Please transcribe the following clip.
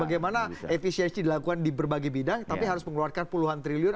bagaimana efisiensi dilakukan di berbagai bidang tapi harus mengeluarkan puluhan triliun